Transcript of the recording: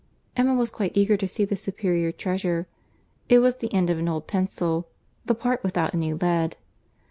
Emma was quite eager to see this superior treasure. It was the end of an old pencil,—the part without any lead.